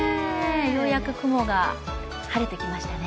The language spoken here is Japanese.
ようやく雲が晴れてきましたね。